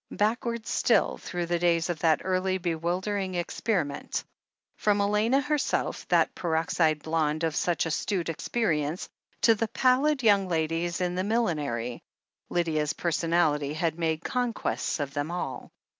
Backwards still, through the days of that early, be wildering experiment. From Elena herself, that peroxide blonde of such astute experience, to the pallid young ladies in Millinery — ^Lydia's personality had made conquests of them all.